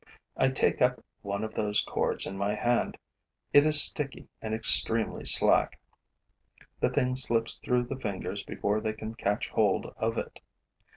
I take up one of those cords in my hand. It is sticky and extremely slack; the thing slips through the fingers before they can catch hold of it.